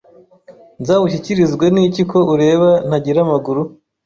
nzawushyikirizwe nikiko ureba ntagira amaguru